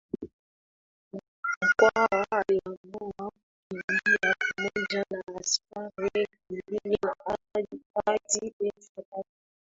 Mkwawa aliamua kukimbia pamoja na askari elfu mbili hadi elfu tatu